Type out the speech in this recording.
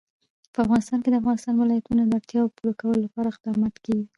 په افغانستان کې د د افغانستان ولايتونه د اړتیاوو پوره کولو لپاره اقدامات کېږي.